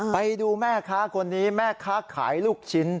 ไปดูแม่ค้าคนนี้แม่ค้าขายลูกชิ้น